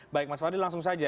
baik mas fadli langsung saja